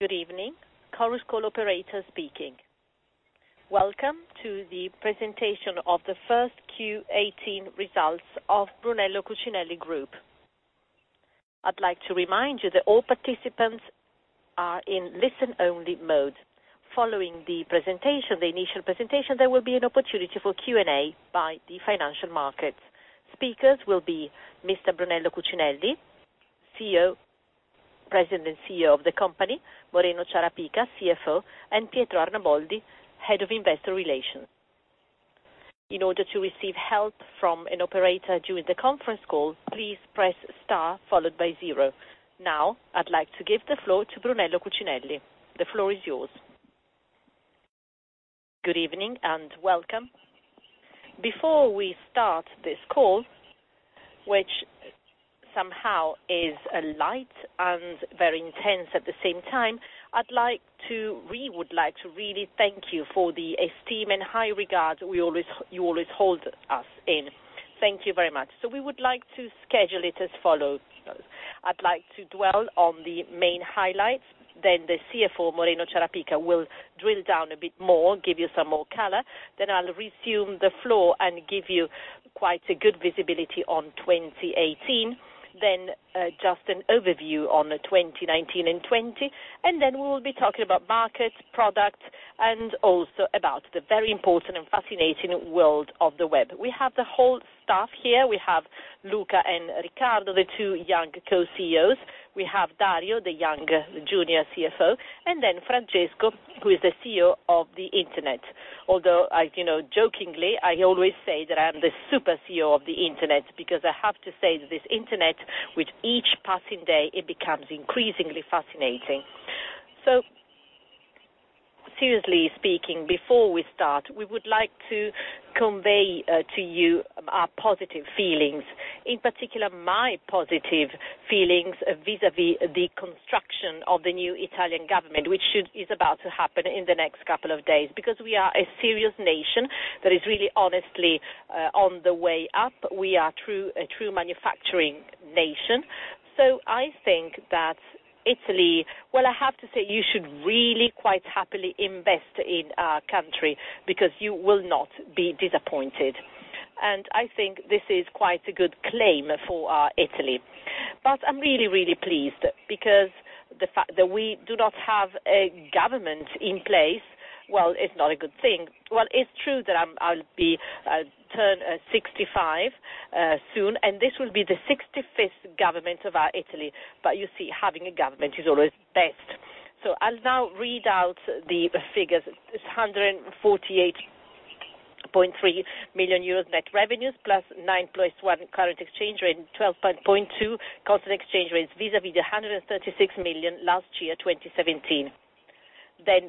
Good evening. Chorus Call operator speaking. Welcome to the presentation of the first Q 2018 results of Brunello Cucinelli Group. I'd like to remind you that all participants are in listen-only mode. Following the initial presentation, there will be an opportunity for Q&A by the financial markets. Speakers will be Brunello Cucinelli, Executive Chairman and Creative Director of the company, Moreno Ciarapica, CFO, and Pietro Arnaboldi, Investor Relations & Corporate Planning Director. In order to receive help from an operator during the conference call, please press star followed by zero. Now, I'd like to give the floor to Brunello Cucinelli. The floor is yours. Good evening, and welcome. Before we start this call, which somehow is light and very intense at the same time, we would like to really thank you for the esteem and high regard you always hold us in. Thank you very much. We would like to schedule it as follows. I'd like to dwell on the main highlights, then the CFO, Moreno Ciarapica, will drill down a bit more, give you some more color, then I'll resume the floor and give you quite a good visibility on 2018, then just an overview on 2019 and 2020, and then we will be talking about markets, products, and also about the very important and fascinating world of the web. We have the whole staff here. We have Luca and Riccardo, the two young Co-CEOs. We have Dario, the junior CFO, and then Francesco, who is the CEO of the internet, although jokingly, I always say that I am the super CEO of the internet because I have to say that this internet, with each passing day, it becomes increasingly fascinating. Seriously speaking, before we start, we would like to convey to you our positive feelings, in particular my positive feelings vis-a-vis the construction of the new Italian government, which is about to happen in the next couple of days, because we are a serious nation that is really honestly on the way up. We are a true manufacturing nation. I think that Italy, well, I have to say, you should really quite happily invest in our country because you will not be disappointed. I think this is quite a good claim for our Italy. I'm really, really pleased because the fact that we do not have a government in place, well, it's not a good thing. Well, it's true that I'll be turning 65 soon, and this will be the 65th government of our Italy. You see, having a government is always best. I'll now read out the figures. 148.3 million euros net revenues, +9.1% current exchange rate and 12.2% constant exchange rates vis-a-vis the 136 million last year, 2017.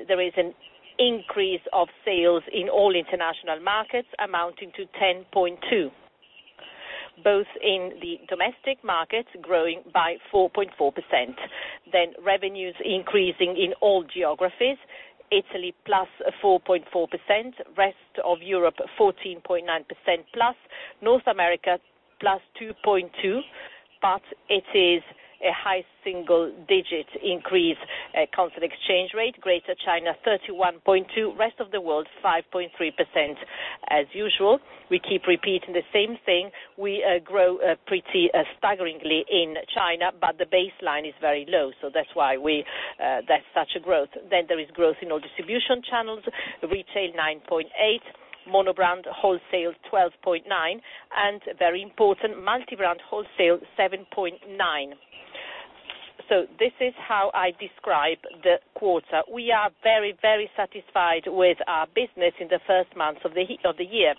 There is an increase of sales in all international markets amounting to 10.2%, both in the domestic markets growing by 4.4%. Revenues increasing in all geographies, Italy +4.4%, rest of Europe +14.9%, North America +2.2%, it is a high single-digit increase at constant exchange rate. Greater China, 31.2%, rest of the world, 5.3%. As usual, we keep repeating the same thing. We grow pretty staggeringly in China, the baseline is very low, that's why that's such a growth. There is growth in all distribution channels, retail 9.8%, monobrand wholesale 12.9%, and very important, multi-brand wholesale 7.9%. This is how I describe the quarter. We are very, very satisfied with our business in the first months of the year.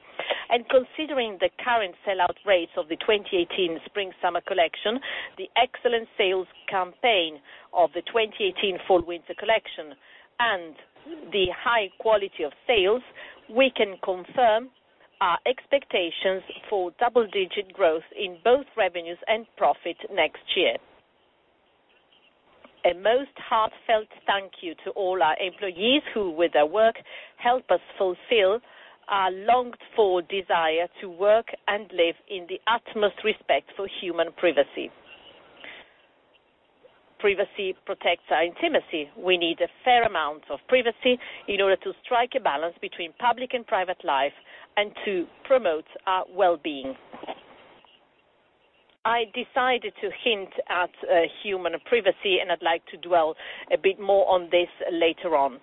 Considering the current sell-out rates of the 2018 spring/summer collection, the excellent sales campaign of the 2018 fall/winter collection, and the high quality of sales, we can confirm our expectations for double-digit growth in both revenues and profit next year. A most heartfelt thank you to all our employees who, with their work, help us fulfill our longed-for desire to work and live in the utmost respect for human privacy. Privacy protects our intimacy. We need a fair amount of privacy in order to strike a balance between public and private life and to promote our well-being. I decided to hint at human privacy, and I'd like to dwell a bit more on this later on,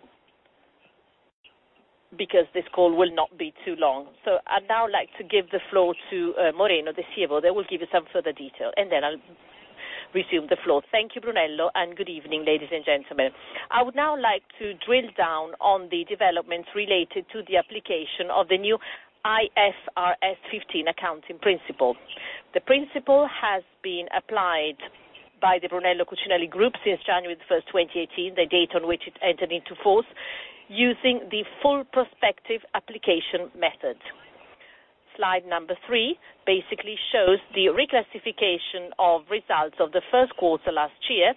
because this call will not be too long. I'd now like to give the floor to Moreno, the CFO, that will give you some further detail, and then I'll resume the floor. Thank you, Brunello, and good evening, ladies and gentlemen. I would now like to drill down on the developments related to the application of the new IFRS 15 accounting principle. The principle has been applied by the Brunello Cucinelli Group since January the 1st, 2018, the date on which it entered into force, using the full prospective application method. Slide number three basically shows the reclassification of results of the first quarter last year,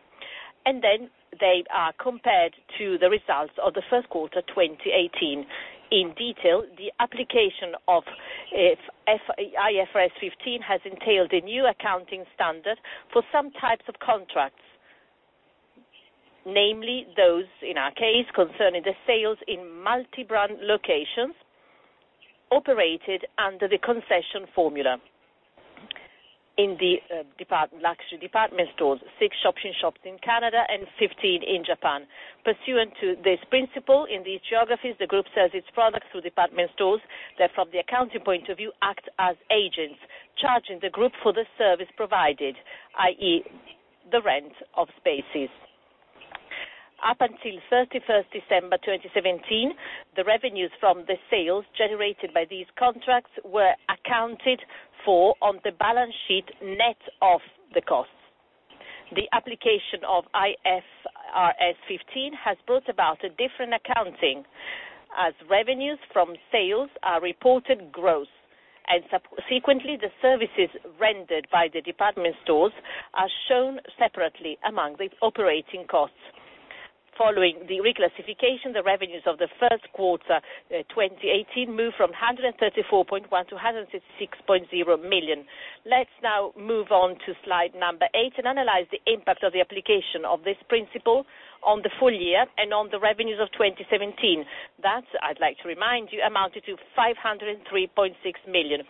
and then they are compared to the results of the first quarter 2018. In detail, the application of IFRS 15 has entailed a new accounting standard for some types of contracts. Namely, those, in our case, concerning the sales in multi-brand locations, operated under the concession formula. In the luxury department stores, six shop-in-shops in Canada and 15 in Japan. Pursuant to this principle in these geographies, the group sells its products through department stores that from the accounting point of view, act as agents, charging the group for the service provided, i.e., the rent of spaces. Up until 31st December 2017, the revenues from the sales generated by these contracts were accounted for on the balance sheet, net of the costs. The application of IFRS 15 has brought about a different accounting, as revenues from sales are reported gross, and subsequently, the services rendered by the department stores are shown separately among the operating costs. Following the reclassification, the revenues of the first quarter 2018 moved from 134.1 million to 136.0 million. Let's now move on to slide number eight and analyze the impact of the application of this principle on the full year and on the revenues of 2017. That, I'd like to remind you, amounted to 503.6 million.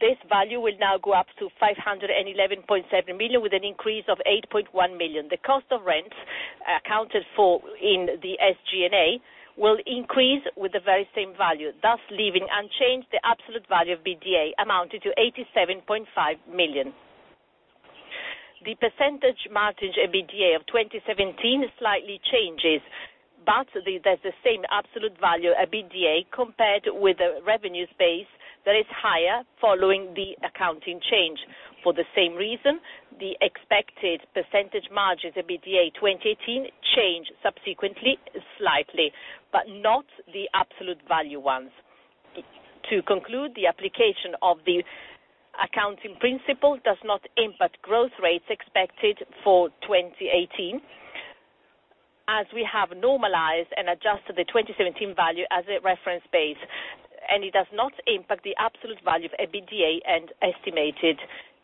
This value will now go up to 511.7 million with an increase of 8.1 million. The cost of rent accounted for in the SG&A, will increase with the very same value, thus leaving unchanged the absolute value of EBITDA, amounting to 87.5 million. The percentage margin EBITDA of 2017 slightly changes, but there's the same absolute value EBITDA compared with the revenue space that is higher following the accounting change. For the same reason, the expected percentage margins EBITDA 2018 change subsequently, slightly, but not the absolute value ones. To conclude, the application of the accounting principle does not impact growth rates expected for 2018, as we have normalized and adjusted the 2017 value as a reference base, and it does not impact the absolute value of EBITDA and estimated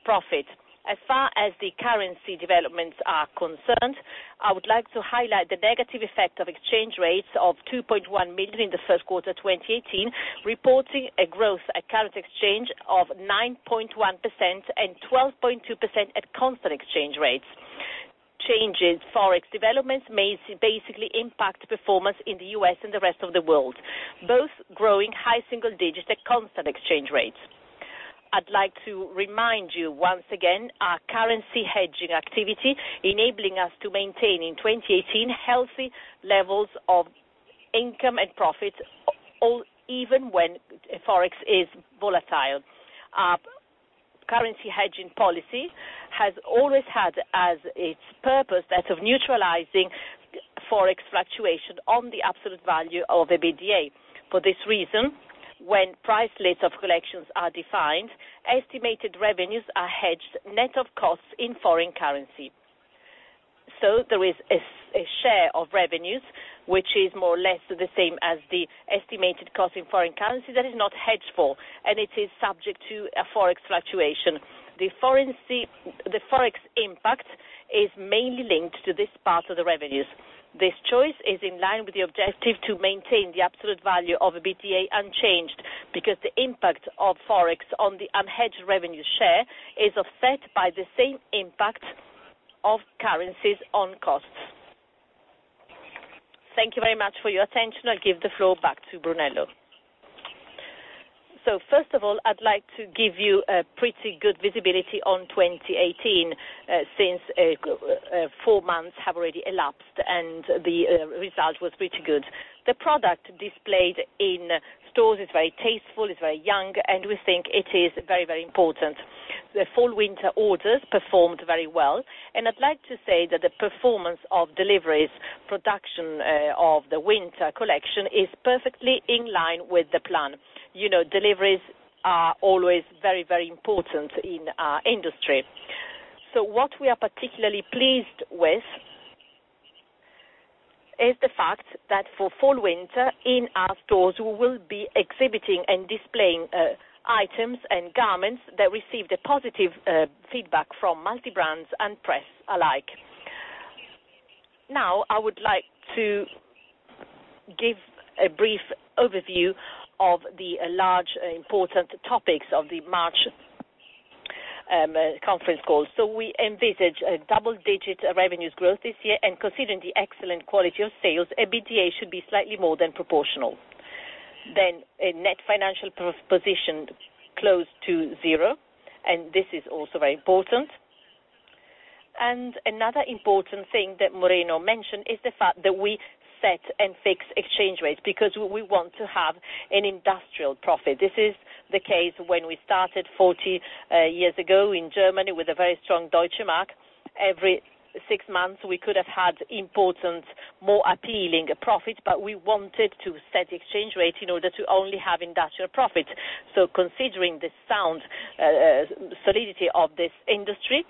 profit. As far as the currency developments are concerned, I would like to highlight the negative effect of exchange rates of 2.1 million in the first quarter 2018, reporting a growth at current exchange of 9.1% and 12.2% at constant exchange rates. Forex developments may basically impact performance in the U.S. and the rest of the world, both growing high single digits at constant exchange rates. I'd like to remind you once again, our currency hedging activity enabling us to maintain in 2018 healthy levels of income and profit, even when Forex is volatile. Our currency hedging policy has always had as its purpose that of neutralizing Forex fluctuation on the absolute value of EBITDA. For this reason, when price lists of collections are defined, estimated revenues are hedged net of costs in foreign currency. There is a share of revenues, which is more or less the same as the estimated cost in foreign currency that is not hedged for, and it is subject to a Forex fluctuation. The Forex impact is mainly linked to this part of the revenues. This choice is in line with the objective to maintain the absolute value of EBITDA unchanged, because the impact of Forex on the unhedged revenue share is offset by the same impact of currencies on costs. Thank you very much for your attention. I'll give the floor back to Brunello. First of all, I'd like to give you a pretty good visibility on 2018, since four months have already elapsed, and the result was pretty good. The product displayed in stores is very tasteful, it's very young, and we think it is very important. The fall/winter orders performed very well, and I'd like to say that the performance of deliveries, production of the winter collection is perfectly in line with the plan. Deliveries are always very important in our industry. What we are particularly pleased with is the fact that for fall/winter, in our stores, we will be exhibiting and displaying items and garments that received a positive feedback from multi-brands and press alike. Now, I would like to give a brief overview of the large important topics of the March conference call. We envisage a double-digit revenues growth this year, and considering the excellent quality of sales, EBITDA should be slightly more than proportional. A net financial position close to zero, and this is also very important. Another important thing that Moreno mentioned is the fact that we set and fix exchange rates because we want to have an industrial profit. This is the case when we started 40 years ago in Germany with a very strong Deutsche Mark. Every six months, we could have had important, more appealing profit, but we wanted to set the exchange rate in order to only have industrial profit. Considering the sound solidity of this industry,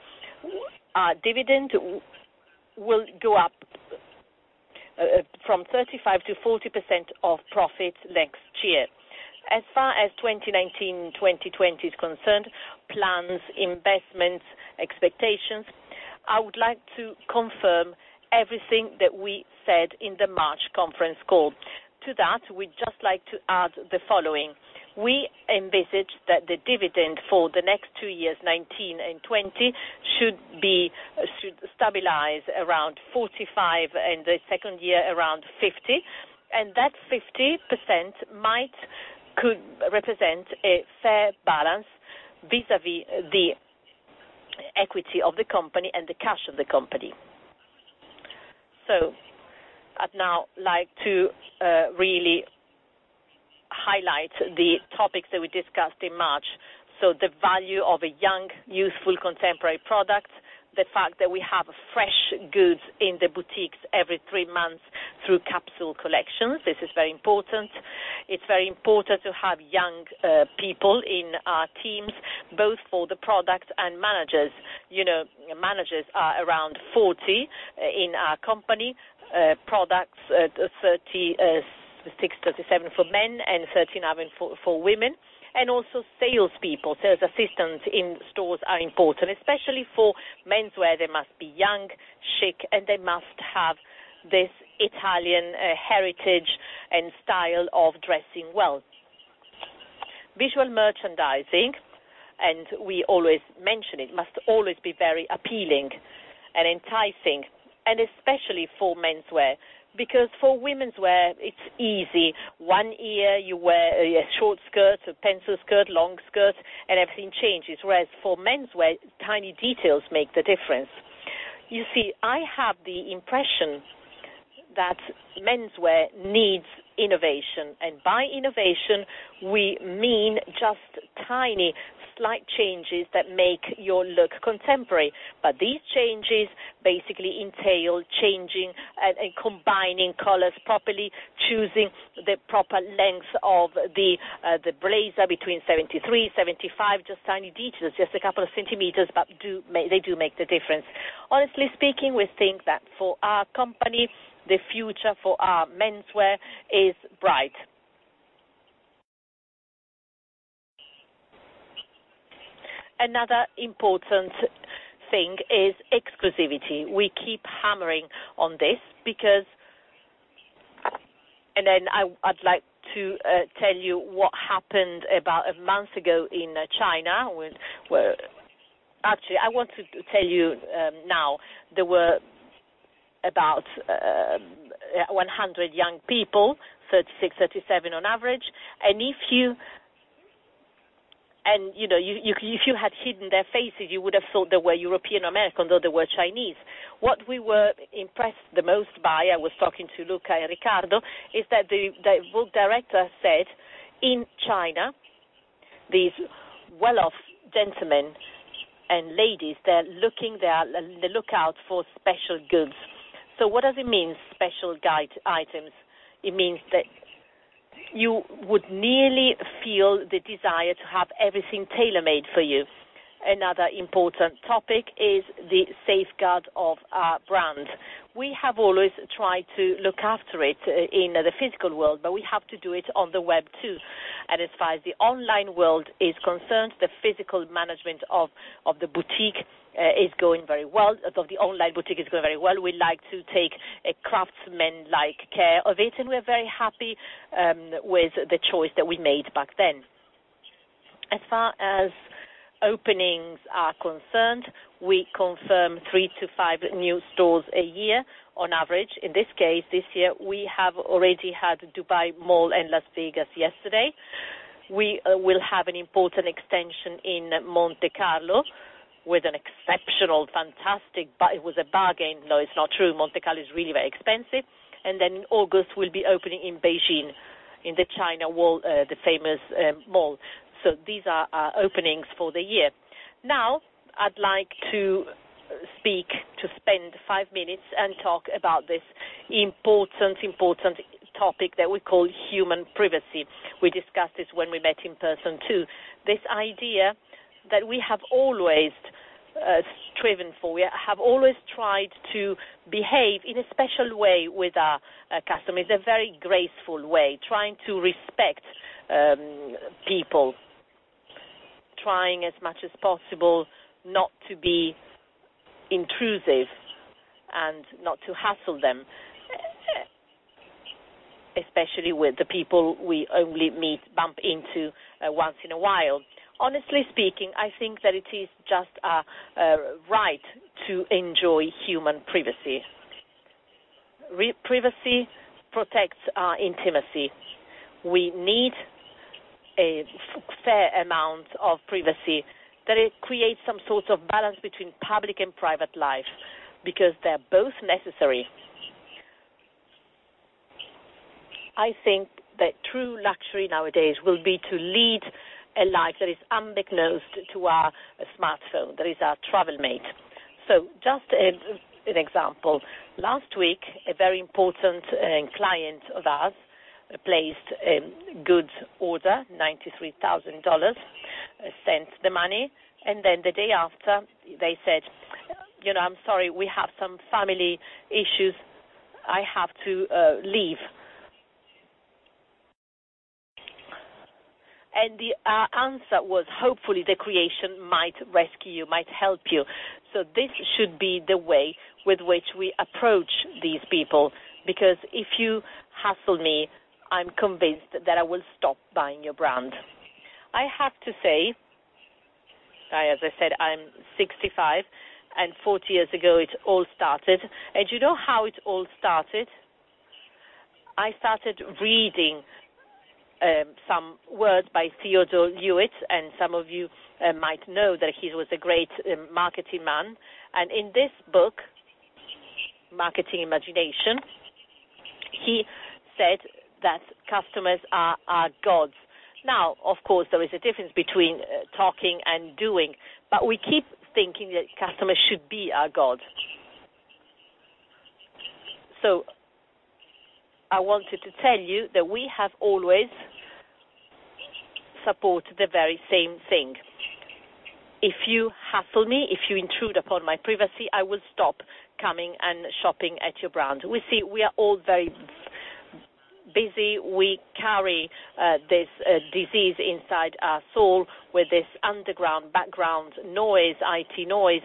our dividend will go up from 35%-40% of profits next year. As far as 2019, 2020 is concerned, plans, investments, expectations, I would like to confirm everything that we said in the March conference call. To that, we'd just like to add the following. We envisage that the dividend for the next two years, 2019 and 2020, should stabilize around 45, and the second year around 50. That 50% could represent a fair balance vis-a-vis the equity of the company and the cash of the company. I'd now like to really highlight the topics that we discussed in March. The value of a young, youthful, contemporary product, the fact that we have fresh goods in the boutiques every three months through capsule collections. This is very important. It's very important to have young people in our teams, both for the product and managers. Managers are around 40 in our company. Products, 36, 37 for men and 39 for women. Also salespeople, sales assistants in stores are important, especially for menswear. They must be young, chic, and they must have this Italian heritage and style of dressing well. Visual merchandising, we always mention it, must always be very appealing and enticing, especially for menswear, because for womenswear, it's easy. One year you wear a short skirt, a pencil skirt, long skirt, and everything changes. Whereas for menswear, tiny details make the difference. You see, I have the impression that menswear needs innovation, and by innovation, we mean just tiny, slight changes that make your look contemporary. These changes basically entail changing and combining colors properly, choosing the proper length of the blazer between 73, 75. Just tiny details, just a couple of centimeters. They do make the difference. Honestly speaking, we think that for our company, the future for our menswear is bright. Another important thing is exclusivity. We keep hammering on this. Then I'd like to tell you what happened about a month ago in China. Actually, I want to tell you now. There were about 100 young people, 36, 37 on average. If you had hidden their faces, you would have thought they were European American, though they were Chinese. What we were impressed the most by, I was talking to Luca and Riccardo, is that the Vogue director said, in China, these well-off gentlemen and ladies, they're on the lookout for special goods. What does it mean, special items? It means that you would nearly feel the desire to have everything tailor-made for you. Another important topic is the safeguard of our brand. We have always tried to look after it in the physical world, but we have to do it on the web, too. As far as the online world is concerned, the physical management of the boutique is going very well. Of the online boutique is going very well. We like to take a craftsman-like care of it, and we're very happy with the choice that we made back then. As far as openings are concerned, we confirm three to five new stores a year on average. In this case, this year, we have already had Dubai Mall and Las Vegas yesterday. We will have an important extension in Monte Carlo with an exceptional, fantastic. It was a bargain. No, it's not true. Monte Carlo is really very expensive. Then in August, we'll be opening in Beijing, in the China famous mall. These are our openings for the year. I'd like to spend five minutes and talk about this important topic that we call human privacy. We discussed this when we met in person, too. This idea that we have always striven for. We have always tried to behave in a special way with our customers, a very graceful way, trying to respect people, trying as much as possible not to be intrusive and not to hassle them, especially with the people we only bump into once in a while. Honestly speaking, I think that it is just a right to enjoy human privacy. Privacy protects our intimacy. We need a fair amount of privacy, that it creates some sort of balance between public and private life, because they're both necessary. I think that true luxury nowadays will be to lead a life that is unbeknownst to our smartphone, that is our travel mate. Just an example. Last week, a very important client of ours placed a goods order, $93,000, sent the money, and the day after, they said, "I'm sorry, we have some family issues. I have to leave." The answer was, "Hopefully, the creation might rescue you, might help you." This should be the way with which we approach these people, because if you hassle me, I'm convinced that I will stop buying your brand. I have to say, as I said, I'm 65, and 40 years ago, it all started. You know how it all started? I started reading some words by Theodore Levitt, and some of you might know that he was a great marketing man. In this book, "The Marketing Imagination," he said that customers are our gods. Of course, there is a difference between talking and doing, but we keep thinking that customers should be our god. I wanted to tell you that we have always supported the very same thing. If you hassle me, if you intrude upon my privacy, I will stop coming and shopping at your brand. We see we are all very busy. We carry this disease inside our soul with this underground background noise, IT noise,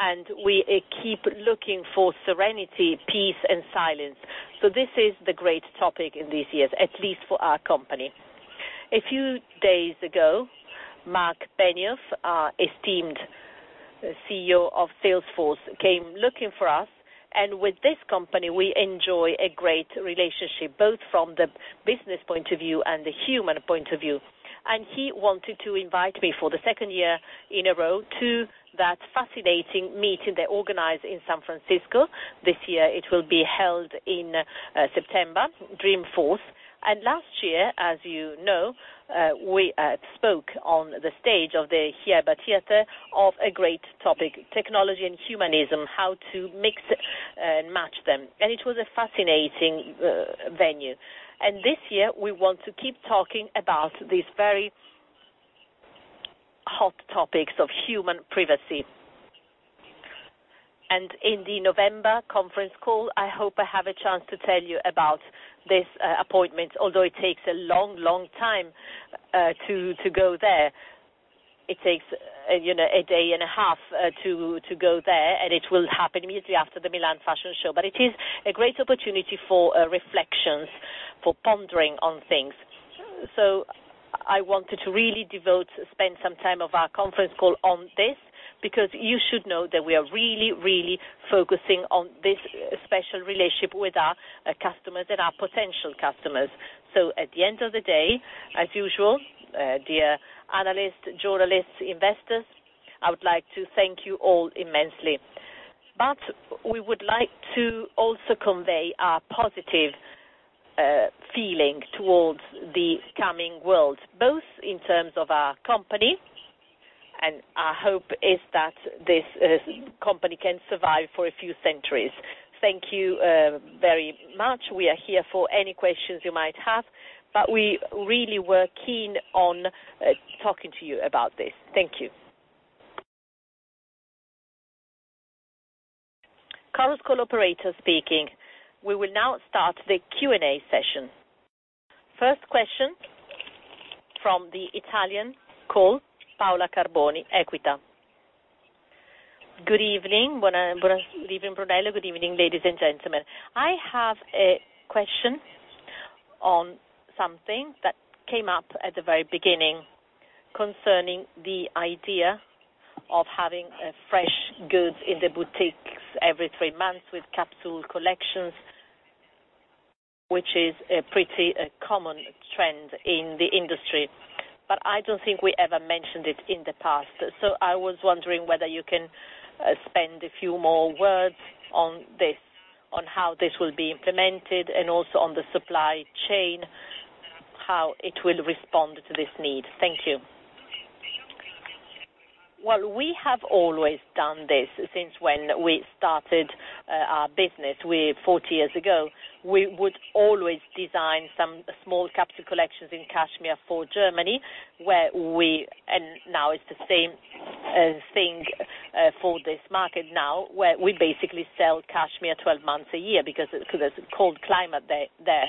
and we keep looking for serenity, peace, and silence. This is the great topic in these years, at least for our company. A few days ago, Marc Benioff, our esteemed CEO of Salesforce, came looking for us, and with this company, we enjoy a great relationship, both from the business point of view and the human point of view. He wanted to invite me for the second year in a row to that fascinating meeting they organize in San Francisco. This year, it will be held in September, Dreamforce. Last year, as you know, we spoke on the stage of the Yerba Theater of a great topic, technology and humanism, how to mix and match them. It was a fascinating venue. This year, we want to keep talking about these very hot topics of human privacy. In the November conference call, I hope I have a chance to tell you about this appointment, although it takes a long time to go there. It takes a day and a half to go there, and it will happen immediately after the Milan Fashion Week. It is a great opportunity for reflections, for pondering on things. I wanted to really spend some time of our conference call on this, because you should know that we are really focusing on this special relationship with our customers and our potential customers. At the end of the day, as usual, dear analysts, journalists, investors, I would like to thank you all immensely. We would like to also convey our positive feeling towards the coming world, both in terms of our company, and our hope is that this company can survive for a few centuries. Thank you very much. We are here for any questions you might have, but we really were keen on talking to you about this. Thank you. Chorus Call operator speaking. We will now start the Q&A session. First question from the Italian call, Paola Carboni, Equita. Good evening. Good evening, Brunello. Good evening, ladies and gentlemen. I have a question on something that came up at the very beginning concerning the idea of having fresh goods in the boutiques every three months with capsule collections, which is a pretty common trend in the industry. I don't think we ever mentioned it in the past. I was wondering whether you can spend a few more words on this, on how this will be implemented, and also on the supply chain, how it will respond to this need. Thank you. We have always done this since when we started our business 40 years ago. We would always design some small capsule collections in cashmere for Germany, and now it's the same thing for this market now, where we basically sell cashmere 12 months a year because there's a cold climate there.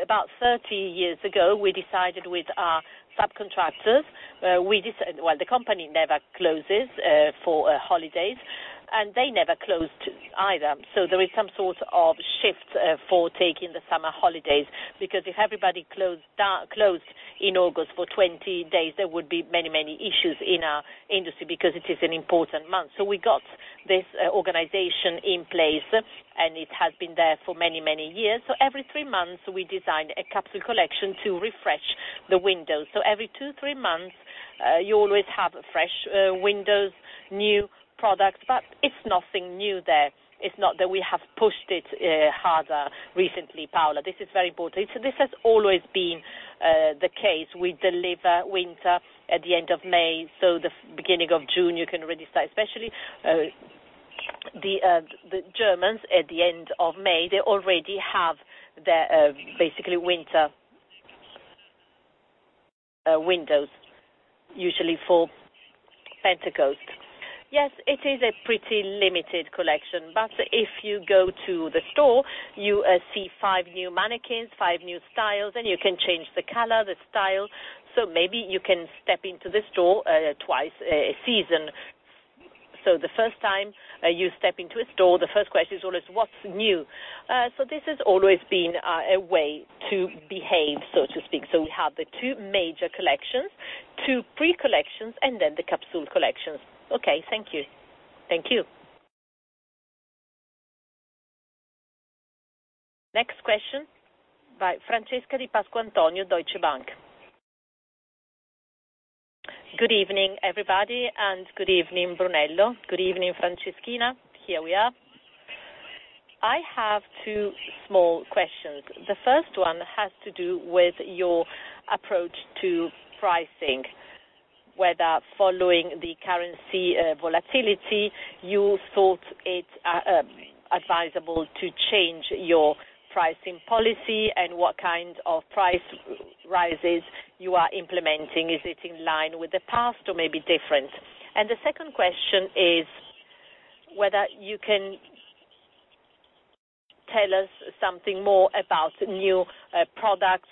About 30 years ago, we decided with our subcontractors, the company never closes for holidays, and they never closed either. There is some sort of shift for taking the summer holidays, because if everybody closed in August for 20 days, there would be many issues in our industry because it is an important month. We got this organization in place, and it has been there for many years. Every three months, we design a capsule collection to refresh the window. Every two, three months, you always have fresh windows, new products, but it's nothing new there. It's not that we have pushed it harder recently, Paola. This is very important. This has always been the case. We deliver winter at the end of May, so the beginning of June, you can really start, especially The Germans, at the end of May, they already have their winter windows, usually for Pentecost. Yes, it is a pretty limited collection, but if you go to the store, you see five new mannequins, five new styles, and you can change the color, the style, so maybe you can step into the store twice a season. The first time you step into a store, the first question is always, "What's new?" This has always been a way to behave, so to speak. We have the two major collections, two pre-collections, and then the capsule collections. Okay. Thank you. Thank you. Next question, by Francesca Di Pasquantonio, Deutsche Bank. Good evening, everybody, and good evening, Brunello. Good evening, Franceschina. Here we are. I have two small questions. The first one has to do with your approach to pricing, whether following the currency volatility, you thought it advisable to change your pricing policy, and what kind of price rises you are implementing. Is it in line with the past or maybe different? The second question is whether you can tell us something more about new products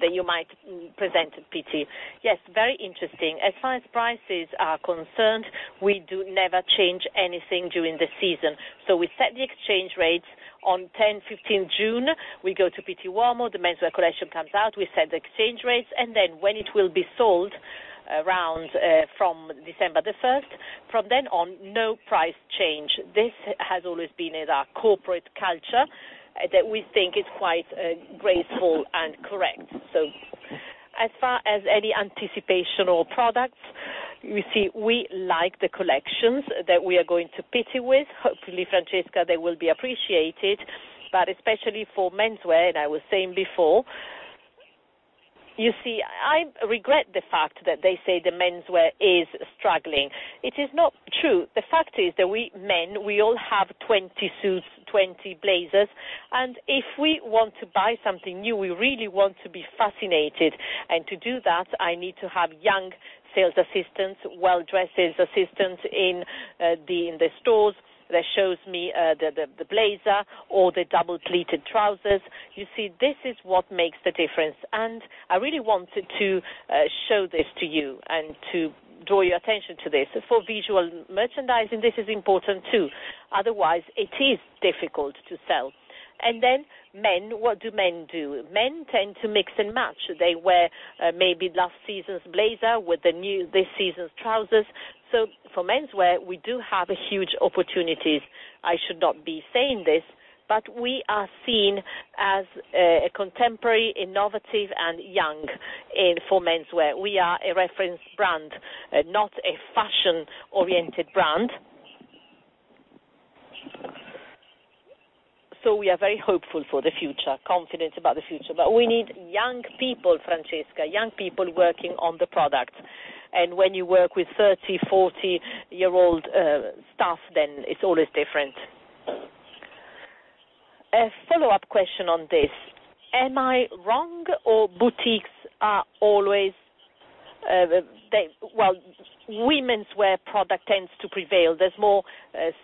that you might present at Pitti. Yes, very interesting. As far as prices are concerned, we do never change anything during the season. We set the exchange rates on 10th, 15th June. We go to Pitti Uomo, the menswear collection comes out, we set the exchange rates, and then when it will be sold, around from December the 1st, from then on, no price change. This has always been in our corporate culture that we think is quite graceful and correct. As far as any anticipational products, you see, we like the collections that we are going to Pitti with. Hopefully, Francesca, they will be appreciated. Especially for menswear, I was saying before, you see, I regret the fact that they say that menswear is struggling. It is not true. The fact is that we, men, we all have 20 suits, 20 blazers, and if we want to buy something new, we really want to be fascinated. To do that, I need to have young sales assistants, well-dressed sales assistants in the stores that shows me the blazer or the double-pleated trousers. You see, this is what makes the difference. I really wanted to show this to you and to draw your attention to this. For visual merchandising, this is important, too. Otherwise, it is difficult to sell. Men, what do men do? Men tend to mix and match. They wear maybe last season's blazer with this season's trousers. For menswear, we do have huge opportunities. I should not be saying this, we are seen as contemporary, innovative, and young for menswear. We are a reference brand, not a fashion-oriented brand. We are very hopeful for the future, confident about the future. We need young people, Francesca, young people working on the product. When you work with 30, 40-year-old staff, then it's always different. A follow-up question on this. Am I wrong or boutiques are always? Well, womenswear product tends to prevail. There's more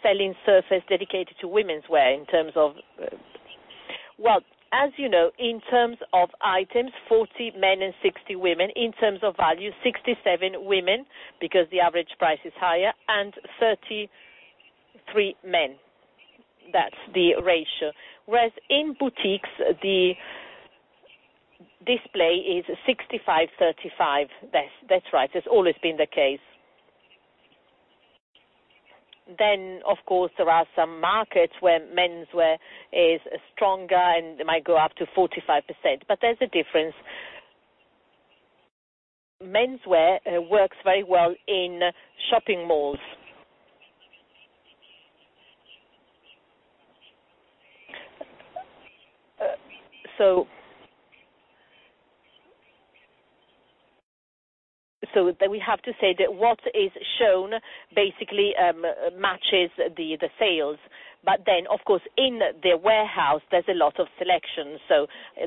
selling surface dedicated to womenswear in terms of Well, as you know, in terms of items, 40 men and 60 women. In terms of value, 67 women, because the average price is higher, and 33 men. That's the ratio. Whereas in boutiques, the display is 65, 35. That's right. It's always been the case. Of course, there are some markets where menswear is stronger, and it might go up to 45%, but there's a difference. Menswear works very well in shopping malls. We have to say that what is shown basically matches the sales. Of course, in the warehouse, there's a lot of selection.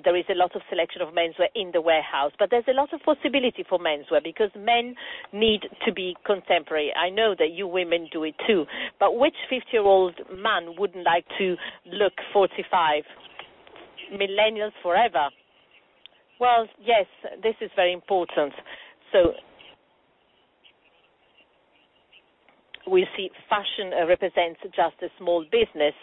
There is a lot of selection of menswear in the warehouse. There's a lot of possibility for menswear because men need to be contemporary. I know that you women do it, too. Which 50-year-old man wouldn't like to look 45? Millennials forever. Well, yes, this is very important. We see fashion represents just a small business,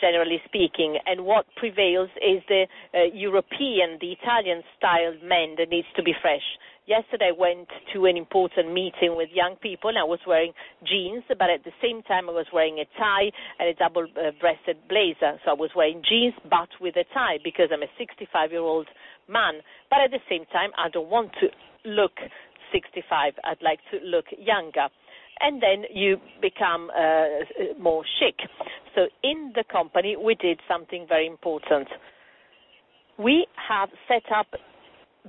generally speaking, and what prevails is the European, the Italian-style men that needs to be fresh. Yesterday, I went to an important meeting with young people, and I was wearing jeans, but at the same time, I was wearing a tie and a double-breasted blazer. I was wearing jeans, but with a tie because I'm a 65-year-old man. At the same time, I don't want to look 65. I'd like to look younger. You become more chic. In the company, we did something very important. We have set up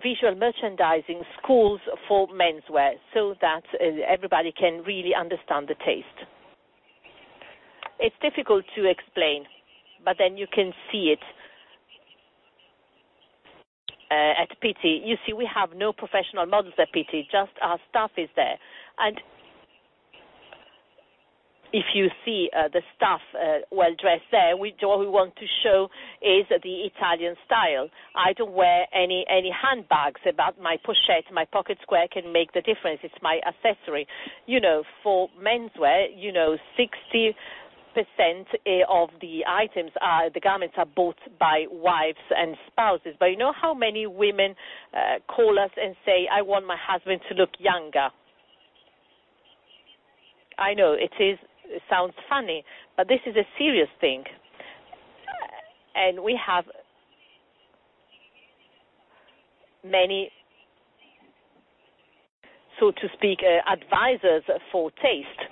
visual merchandising schools for menswear so that everybody can really understand the taste. It's difficult to explain, but then you can see it at Pitti. You see, we have no professional models at Pitti, just our staff is there. If you see the staff well-dressed there, all we want to show is the Italian style. I don't wear any handbags, but my pochette, my pocket square can make the difference. It's my accessory. For menswear, 60% of the items, the garments, are bought by wives and spouses. You know how many women call us and say, "I want my husband to look younger"? I know. It sounds funny, but this is a serious thing. We have many, so to speak, advisors for taste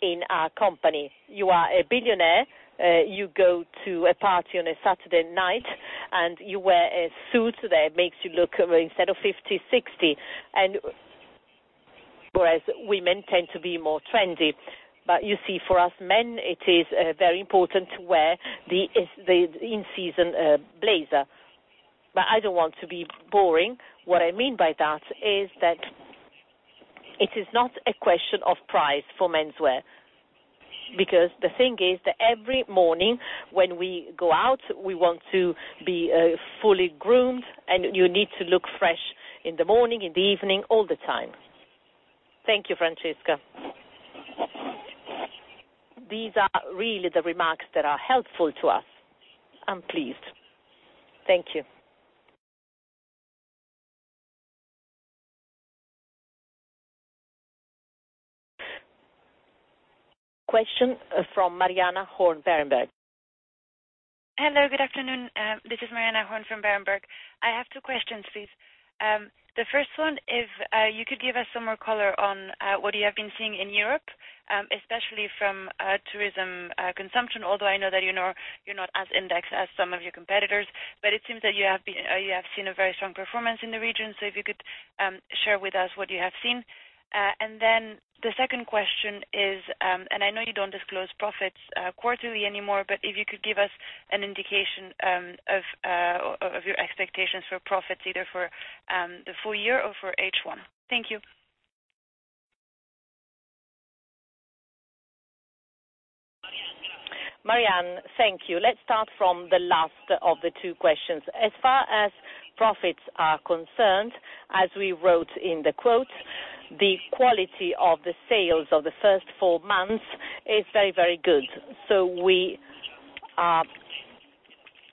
in our company. You are a billionaire, you go to a party on a Saturday night, and you wear a suit that makes you look instead of 50, 60. Whereas women tend to be more trendy. You see, for us men, it is very important to wear the in-season blazer. I don't want to be boring. What I mean by that is that it is not a question of price for menswear, because the thing is that every morning when we go out, we want to be fully groomed, and you need to look fresh in the morning, in the evening, all the time. Thank you, Francesca. These are really the remarks that are helpful to us. I'm pleased. Thank you. Question from Mariana Horn, Berenberg. Hello, good afternoon. This is Mariana Horn from Berenberg. I have two questions, please. The first one is, you could give us some more color on what you have been seeing in Europe, especially from tourism consumption, although I know that you're not as indexed as some of your competitors, but it seems that you have seen a very strong performance in the region. If you could share with us what you have seen. The second question is, and I know you don't disclose profits quarterly anymore, but if you could give us an indication of your expectations for profits, either for the full year or for H1. Thank you. Mariana, thank you. Let's start from the last of the two questions. As far as profits are concerned, as we wrote in the quotes, the quality of the sales of the first four months is very, very good. We are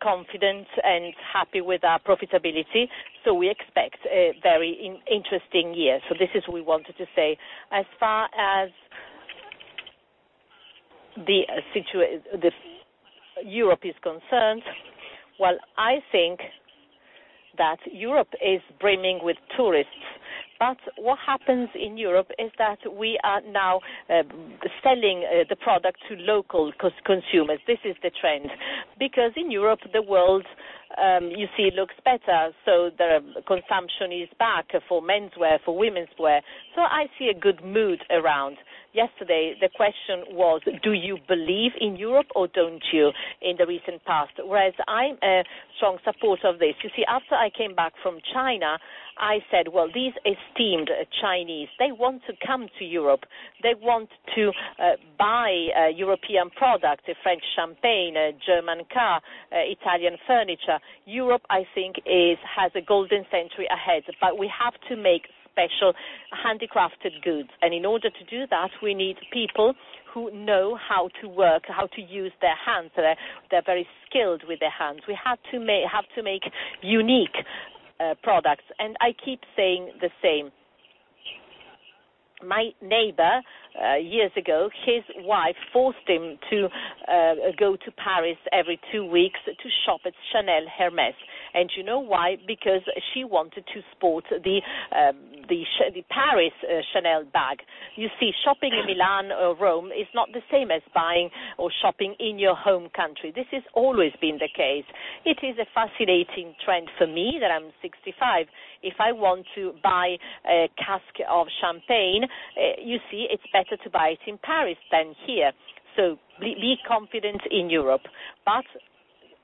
confident and happy with our profitability. We expect a very interesting year. This is what we wanted to say. As far as Europe is concerned, well, I think that Europe is brimming with tourists. What happens in Europe is that we are now selling the product to local consumers. This is the trend, because in Europe, the world looks better, the consumption is back for menswear, for womenswear. I see a good mood around. Yesterday, the question was, do you believe in Europe or don't you in the recent past? Whereas I'm a strong supporter of this. You see, after I came back from China, I said, well, these esteemed Chinese, they want to come to Europe. They want to buy a European product, a French champagne, a German car, Italian furniture. Europe, I think, has a golden century ahead, we have to make special handcrafted goods. In order to do that, we need people who know how to work, how to use their hands. They're very skilled with their hands. We have to make unique products. I keep saying the same. My neighbor, years ago, his wife forced him to go to Paris every two weeks to shop at Chanel Hermès. You know why? Because she wanted to sport the Paris Chanel bag. You see, shopping in Milan or Rome is not the same as buying or shopping in your home country. This has always been the case. It is a fascinating trend for me that I'm 65. If I want to buy a cask of champagne, it's better to buy it in Paris than here. Be confident in Europe.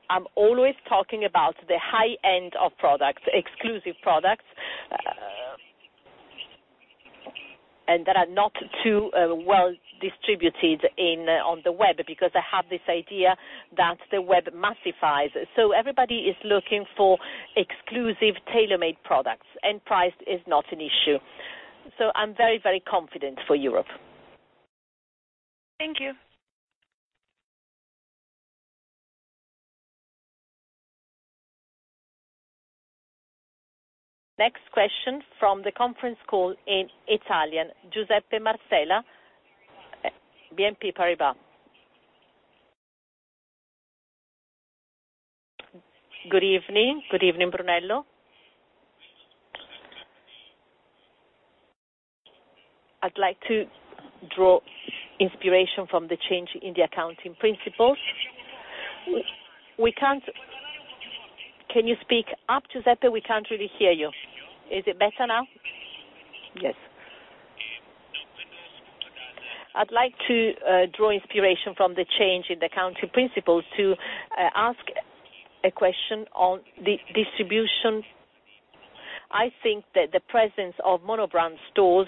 I'm always talking about the high end of products, exclusive products, and that are not too well distributed on the web, because I have this idea that the web massifies. Everybody is looking for exclusive tailor-made products, end price is not an issue. I'm very, very confident for Europe. Thank you. Next question from the conference call in Italian. Giuseppe Marsella, BNP Paribas. Good evening. Good evening, Brunello. I'd like to draw inspiration from the change in the accounting principles. Can you speak up, Giuseppe? We can't really hear you. Is it better now? Yes. I'd like to draw inspiration from the change in the accounting principles to ask a question on the distribution. I think that the presence of monobrand stores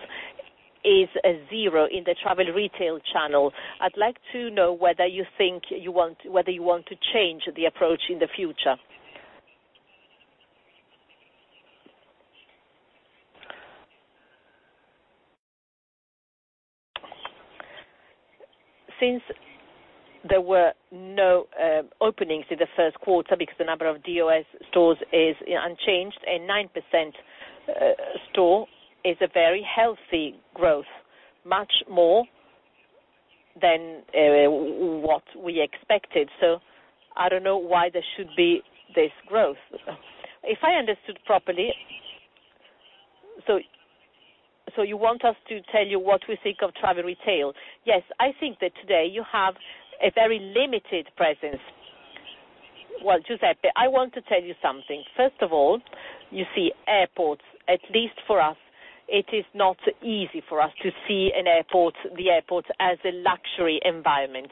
is zero in the travel retail channel. I'd like to know whether you think you want to change the approach in the future. Since there were no openings in the first quarter because the number of DOS stores is unchanged, a 9% store is a very healthy growth, much more than what we expected. I don't know why there should be this growth. If I understood properly, you want us to tell you what we think of travel retail? Yes. I think that today you have a very limited presence. Well, Giuseppe, I want to tell you something. First of all, you see airports, at least for us, it is not easy for us to see the airport as a luxury environment.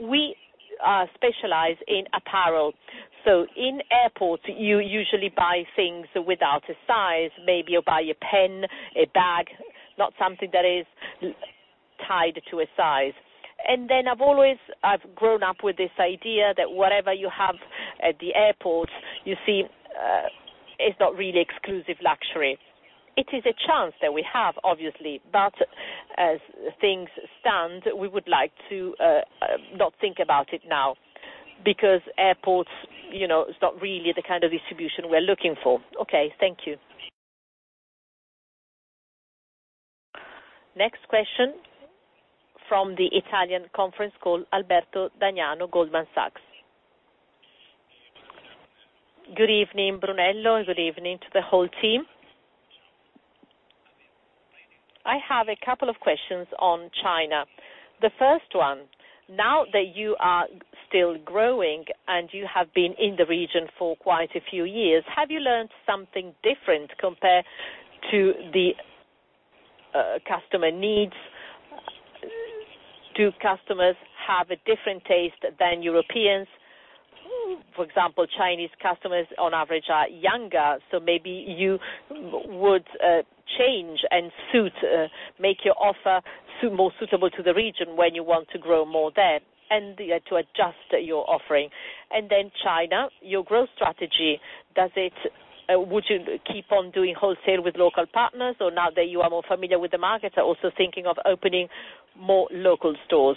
We specialize in apparel. In airports, you usually buy things without a size. Maybe you buy a pen, a bag, not something that is tied to a size. I've grown up with this idea that whatever you have at the airport is not really exclusive luxury. It is a chance that we have, obviously, but as things stand, we would like to not think about it now because airports, it's not really the kind of distribution we're looking for. Okay. Thank you. Next question from the Italian conference call, Alberto D'Agiano, Goldman Sachs. Good evening, Brunello, and good evening to the whole team. I have a couple of questions on China. The first one, now that you are still growing and you have been in the region for quite a few years, have you learned something different compared to the customer needs? Do customers have a different taste than Europeans? For example, Chinese customers on average are younger, so maybe you would change and make your offer more suitable to the region when you want to grow more there and to adjust your offering. China, your growth strategy, would you keep on doing wholesale with local partners? Now that you are more familiar with the market, are also thinking of opening more local stores.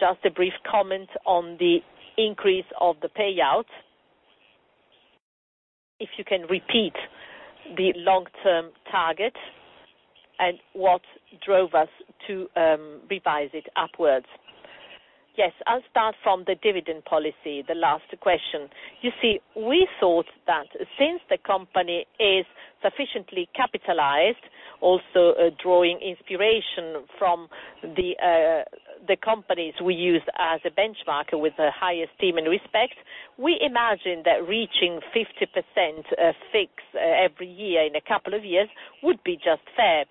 Just a brief comment on the increase of the payout. If you can repeat the long-term target and what drove us to revise it upwards. Yes, I'll start from the dividend policy, the last question. You see, we thought that since the company is sufficiently capitalized, also drawing inspiration from the companies we use as a benchmark with the highest esteem and respect, we imagine that reaching 50% fixed every year in a couple of years would be just fair.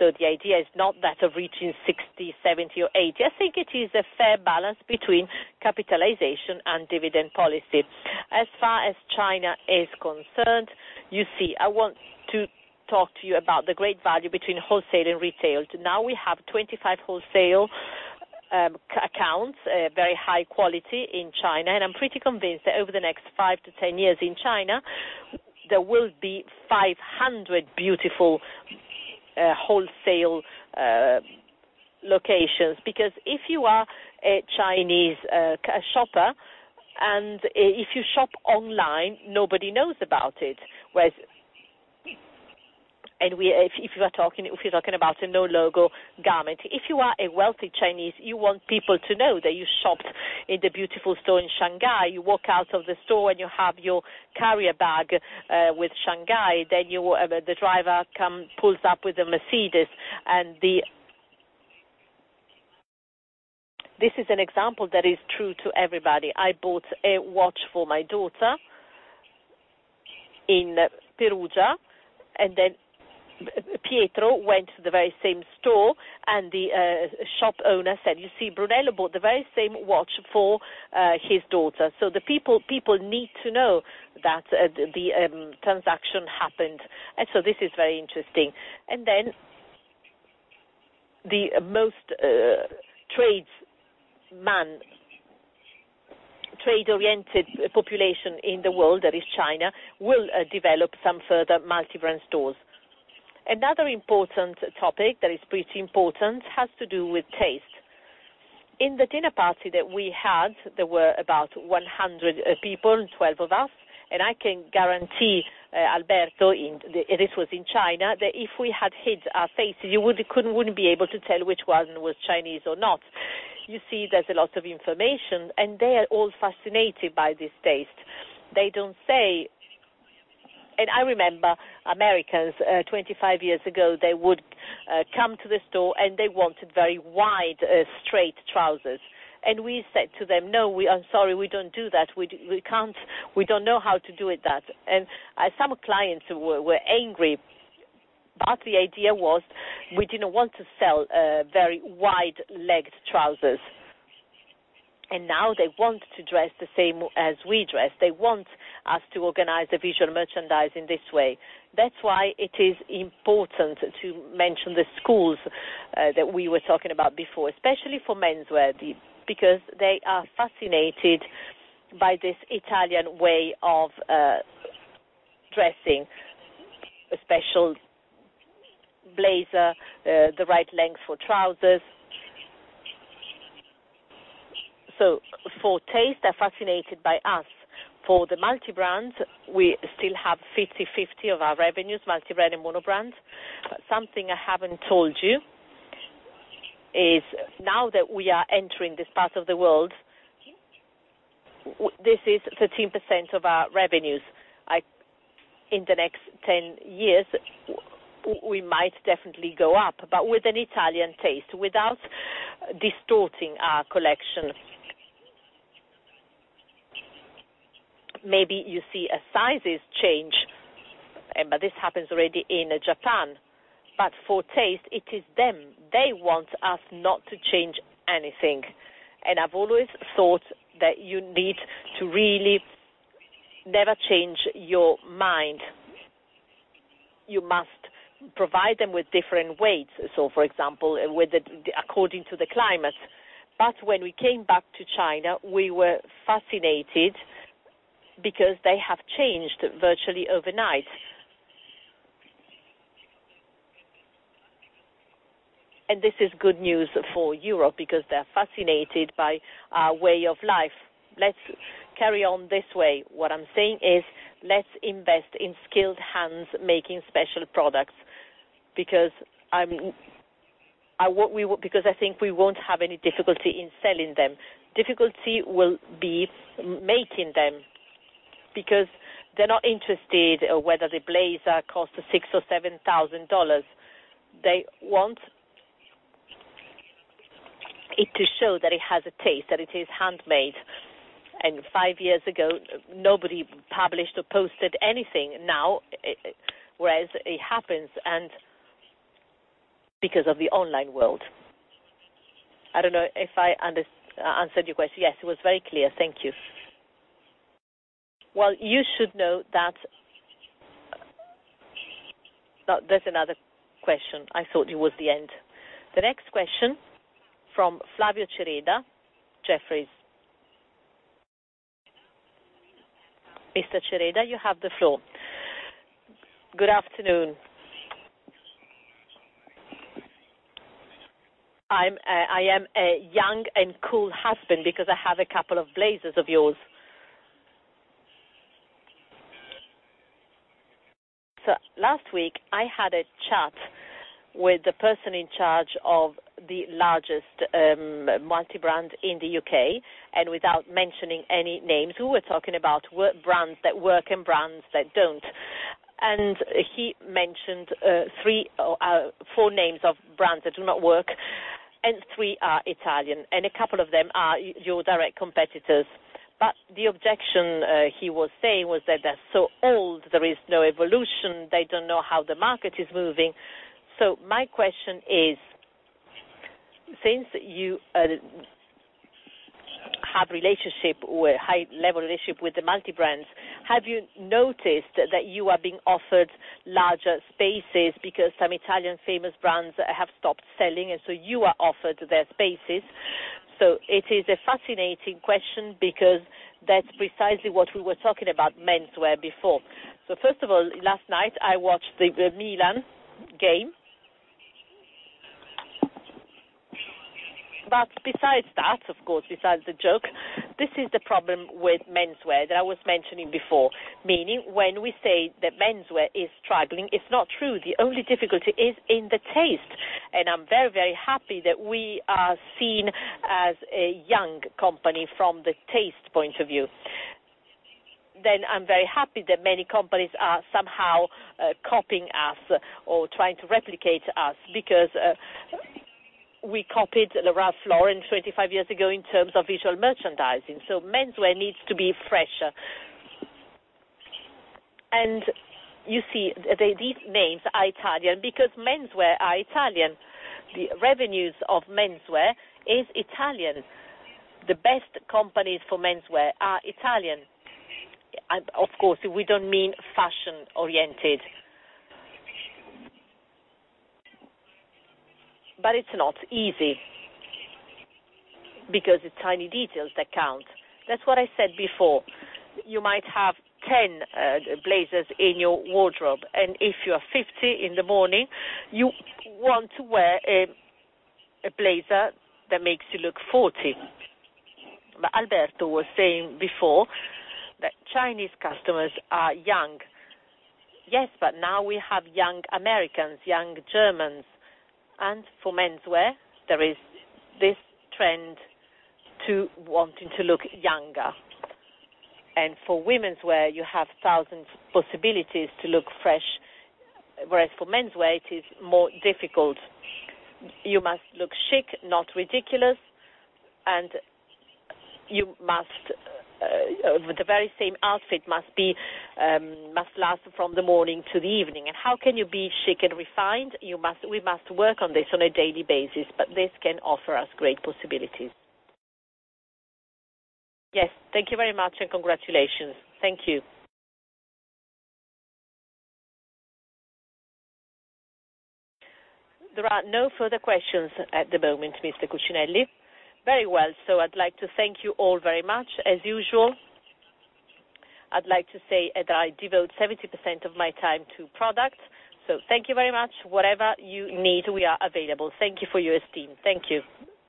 The idea is not that of reaching 60, 70 or 80. I think it is a fair balance between capitalization and dividend policy. As far as China is concerned, you see, I want to talk to you about the great value between wholesale and retail. Now we have 25 wholesale accounts, very high quality in China, and I'm pretty convinced that over the next 5 to 10 years in China, there will be 500 beautiful wholesale locations. Because if you are a Chinese shopper and if you shop online, nobody knows about it. If you are talking about a no logo garment. If you are a wealthy Chinese, you want people to know that you shopped in the beautiful store in Shanghai. You walk out of the store, and you have your carrier bag with Shanghai. Then the driver come, pulls up with a Mercedes. This is an example that is true to everybody. I bought a watch for my daughter in Perugia. Then Pietro went to the very same store, and the shop owner said, "You see, Brunello bought the very same watch for his daughter." So the people need to know that the transaction happened. This is very interesting. Then the most trade-oriented population in the world, that is China, will develop some further multi-brand stores. Another important topic that is pretty important has to do with taste. In the dinner party that we had, there were about 100 people, 12 of us. I can guarantee, Alberto, this was in China, that if we had hid our faces, you wouldn't be able to tell which one was Chinese or not. You see, there's a lot of information, and they are all fascinated by this taste. They don't say. I remember Americans 25 years ago, they would come to the store and they wanted very wide, straight trousers. We said to them, "No, I'm sorry, we don't do that. We don't know how to do it." Some clients were angry, but the idea was we didn't want to sell very wide-legged trousers. Now they want to dress the same as we dress. They want us to organize the visual merchandising this way. That's why it is important to mention the schools that we were talking about before, especially for menswear, because they are fascinated by this Italian way of dressing. A special blazer, the right length for trousers. So for taste, they're fascinated by us. For the multi-brands, we still have 50/50 of our revenues, multi-brand and mono-brand. Something I haven't told you is now that we are entering this part of the world, this is 13% of our revenues. In the next 10 years, we might definitely go up, but with an Italian taste, without distorting our collection. Maybe you see sizes change, but this happens already in Japan. But for taste, it is them. They want us not to change anything. I've always thought that you need to really never change your mind. You must provide them with different weights. For example, according to the climate. But when we came back to China, we were fascinated because they have changed virtually overnight. This is good news for Europe because they're fascinated by our way of life. Let's carry on this way. What I'm saying is, let's invest in skilled hands making special products, because I think we won't have any difficulty in selling them. Difficulty will be making them, because they're not interested whether the blazer costs 6,000 or EUR 7,000. They want it to show that it has a taste, that it is handmade. And 5 years ago, nobody published or posted anything. Now, whereas it happens and because of the online world. I don't know if I answered your question. Yes, it was very clear. Thank you. Well, you should know that there's another question. I thought it was the end. The next question from Flavio Cereda, Jefferies. Mr. Cereda, you have the floor. Good afternoon. I am a young and cool husband because I have a couple of blazers of yours. Last week, I had a chat with the person in charge of the largest multi-brand in the U.K., without mentioning any names, we were talking about what brands that work and brands that do not. He mentioned four names of brands that do not work, three are Italian, and a couple of them are your direct competitors. The objection he was saying was that they're so old, there is no evolution. They don't know how the market is moving. My question is, since you have high level relationship with the multi-brands, have you noticed that you are being offered larger spaces because some Italian famous brands have stopped selling, you are offered their spaces? It is a fascinating question because that's precisely what we were talking about menswear before. First of all, last night, I watched the Milan game. Besides that, of course, besides the joke, this is the problem with menswear that I was mentioning before, meaning when we say that menswear is struggling, it's not true. The only difficulty is in the taste. I'm very, very happy that we are seen as a young company from the taste point of view. I'm very happy that many companies are somehow copying us or trying to replicate us because we copied Ralph Lauren 25 years ago in terms of visual merchandising. Menswear needs to be fresher. You see these names are Italian because menswear are Italian. The revenues of menswear is Italian. The best companies for menswear are Italian. Of course, we don't mean fashion-oriented. It's not easy because it's tiny details that count. That's what I said before. You might have 10 blazers in your wardrobe, and if you are 50 in the morning, you want to wear a blazer that makes you look 40. Alberto was saying before that Chinese customers are young. Yes, now we have young Americans, young Germans, for menswear, there is this trend to wanting to look younger. For womenswear, you have thousands of possibilities to look fresh, whereas for menswear, it is more difficult. You must look chic, not ridiculous. The very same outfit must last from the morning to the evening. How can you be chic and refined? We must work on this on a daily basis, this can offer us great possibilities. Yes. Thank you very much, and congratulations. Thank you. There are no further questions at the moment, Mr. Cucinelli. Very well. I'd like to thank you all very much. As usual, I'd like to say that I devote 70% of my time to product. Thank you very much. Whatever you need, we are available. Thank you for your esteem. Thank you.